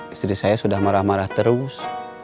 istri saya sudah marah marah terus